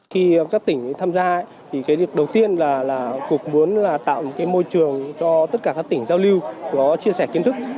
khi các tỉnh tham gia đầu tiên là cục muốn tạo một môi trường cho tất cả các tỉnh giao lưu chia sẻ kiến thức